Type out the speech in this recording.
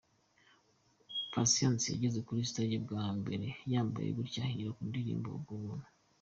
Patient yageze kuri stage bwa mbere yambaye gutya ahera ku ndirimbo "Ubwo buntu".